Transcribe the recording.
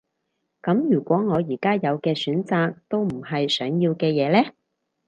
噉如果我而家有嘅選擇都唔係想要嘅嘢呢？